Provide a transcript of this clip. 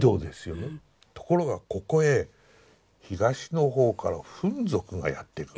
ところがここへ東のほうからフン族がやって来る。